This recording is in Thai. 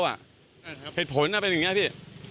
เหตุผลเป็นแบบนี้อะพี่